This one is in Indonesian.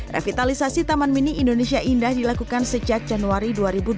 revitalisasi taman mini indonesia indah dilakukan sejak januari dua ribu dua puluh